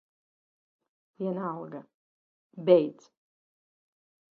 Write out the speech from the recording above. Vienalga. Beidz.